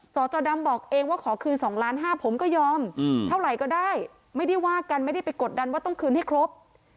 สจดำบอกเองว่าขอคืน๒ล้านห้าผมก็ยอมเท่าไหร่ก็ได้ไม่ได้ว่ากันไม่ได้ไปกดดันว่าต้องคืนให้ครบ